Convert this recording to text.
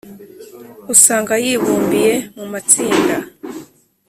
usanga yibumbiye mu matsinda